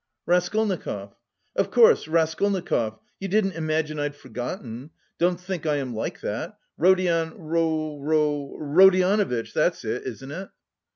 "Raskolnikov." "Of course, Raskolnikov. You didn't imagine I'd forgotten? Don't think I am like that... Rodion Ro Ro Rodionovitch, that's it, isn't it?"